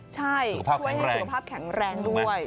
ใช่ช่วยให้สุขภาพแข็งแรงด้วย